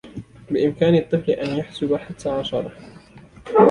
بإمكان الطفل أن يحسب حتى عشرة.